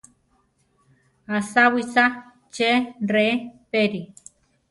¿Asáwisa che rʼe perí?